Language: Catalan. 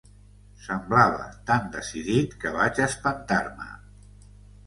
Semblava tan decidit que vaig espantar-me.